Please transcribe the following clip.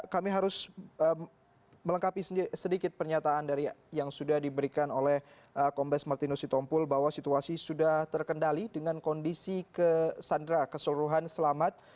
kami harus melengkapi sedikit pernyataan dari yang sudah diberikan oleh kombes martinus sitompul bahwa situasi sudah terkendali dengan kondisi kesandra keseluruhan selamat